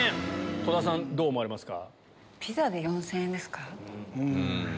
戸田さんどう思われますか？